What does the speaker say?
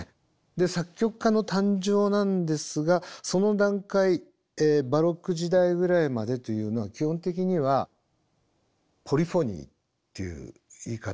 で作曲家の誕生なんですがその段階バロック時代ぐらいまでというのは基本的にはポリフォニーという言い方をします。